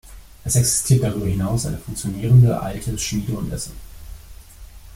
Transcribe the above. Es existiert darüber hinaus eine funktionierende alte Schmiede und Esse.